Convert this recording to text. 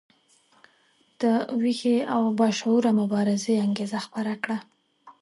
د ویښې او باشعوره مبارزې انګیزه خپره کړه.